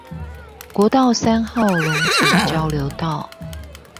國道三號龍井交流道